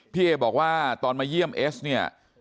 เอบอกว่าตอนมาเยี่ยมเอสเนี่ย